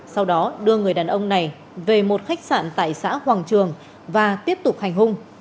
sau đó đưa người đàn ông này về một khách sạn tại xã hoàng trường và tiếp tục hành hung